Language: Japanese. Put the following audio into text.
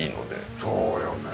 そうよね。